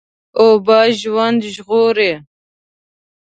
اوبه ژوند ژغوري.